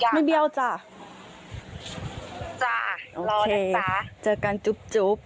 ไม่เบี้ยวจ้าจ้ารอนะจ้าเจอกันจุ๊บ